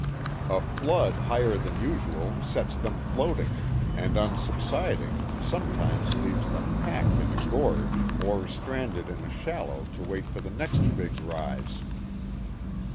A flood higher than usual sets them floating, and on subsiding sometimes leaves them packed in a gorge or stranded in a shallow to wait for the next big rise.